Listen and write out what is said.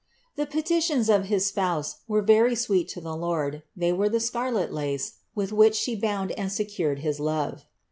8. These petitions of his Spouse were very sweet to the Lord, they were the scarlet lace, with which She bound and secured his love.